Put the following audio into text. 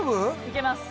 いけます